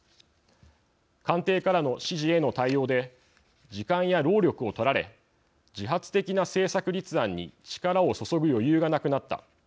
「官邸からの指示への対応で時間や労力を取られ自発的な政策立案に力を注ぐ余裕がなくなった。